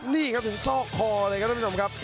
นี่ครับถึงซอกคอเลยครับท่านผู้ชมครับ